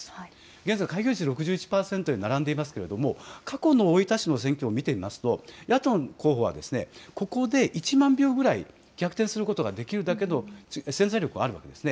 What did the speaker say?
現在、開票率６１％で並んでいますけれども過去を見ますと野党の候補はここで１万票ぐらい逆転することができるだけの潜在力があるんです。